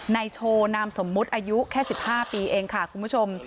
ในโชว์นามสมมุติอายุแค่๑๕ปีเองค่ะคุณผู้ชม